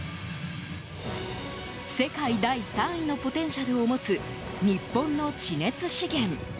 世界第３位のポテンシャルを持つ日本の地熱資源。